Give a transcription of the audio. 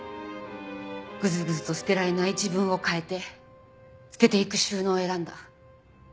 ぐずぐずと捨てられない自分を変えて捨てていく収納を選んだ。